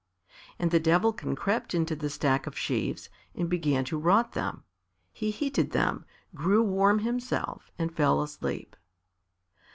And the Devilkin crept into a stack of sheaves, and began to rot them. He heated them, grew warm himself and fell asleep.